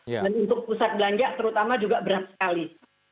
dan untuk pusat belanja terutama juga berat sekali